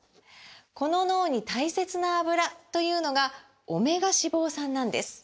この脳に大切なアブラというのがオメガ脂肪酸なんです！